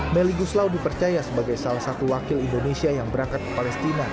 meli guslau dipercaya sebagai salah satu wakil indonesia yang berangkat ke palestina